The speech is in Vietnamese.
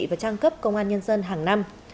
và trang cấp công an nhân dân hàng năm